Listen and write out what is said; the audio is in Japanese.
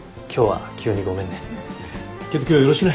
今日よろしくね。